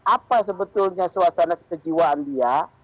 apa sebetulnya suasana kejiwaan dia